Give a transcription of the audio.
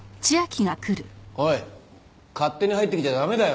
おい勝手に入ってきちゃダメだよ。